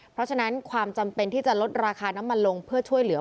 เพราะฉะนั้นความจำเป็นที่จะลดราคาน้ำมันลงเพื่อช่วยเหลือ